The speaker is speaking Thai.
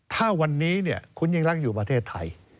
ถ้าวันนี้คุณยิ่งรักอยู่ประเทศไทย